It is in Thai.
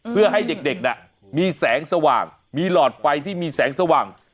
เพื่อให้เด็กมีแสงสว่างมีหลอดไฟที่มีแสงสว่าง